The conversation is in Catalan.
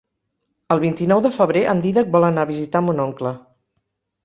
El vint-i-nou de febrer en Dídac vol anar a visitar mon oncle.